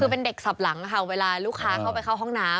คือเป็นเด็กสับหลังค่ะเวลาลูกค้าเข้าไปเข้าห้องน้ำ